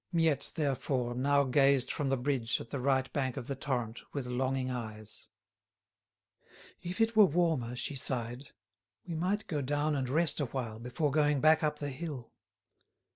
Miette, therefore, now gazed from the bridge at the right bank of the torrent with longing eyes. "If it were warmer," she sighed, "we might go down and rest awhile before going back up the hill."